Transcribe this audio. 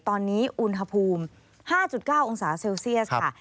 ตอนนี้อุณหภูมิ๕๙องศาเซลเซียสค่ะ